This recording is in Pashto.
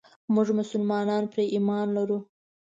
موږ مسلمانان پرې ايمان لرو.